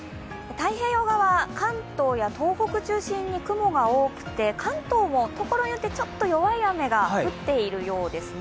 太平洋側、関東や東北中心に雲が多くて関東もところによって弱い雨が降っているようですね。